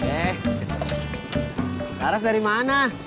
eh laras dari mana